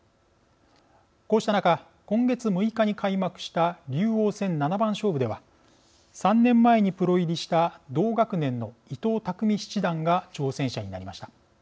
こうした中今月６日に開幕した竜王戦七番勝負では３年前にプロ入りした同学年の伊藤匠七段が挑戦者になりました。